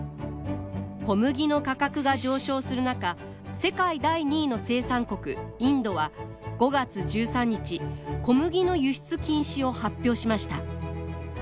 小麦の価格が上昇する中世界第２位の生産国インドは５月１３日小麦の輸出禁止を発表しました。